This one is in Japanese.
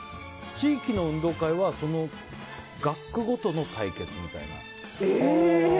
地域の運動会は学区ごとの対決みたいな。